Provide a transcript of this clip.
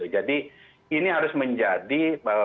jadi ini harus menjadi